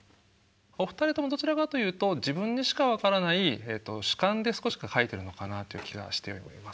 お二人ともどちらかというと自分にしか分からない主観で少し書いてるのかなという気がしております。